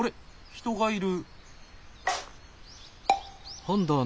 人がいる。